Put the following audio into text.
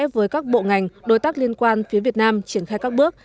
với các bộ ngành đối tác liên quan phía việt nam triển khai các bước